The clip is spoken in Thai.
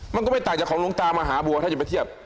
มันก็ไม่ต่างจากของหลวงตามหาบัวถ้าจะไปเทียบ